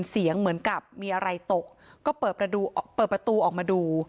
เสียงเหมือนกับมีอะไรตกก็เปิดประดูกออกประตูออกมาดู